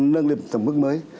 nâng lên một tầm mức mới